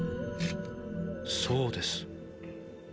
そうです。